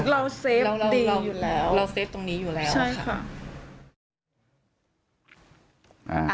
เราเซฟเราดีอยู่แล้วเราเฟฟตรงนี้อยู่แล้วใช่ค่ะ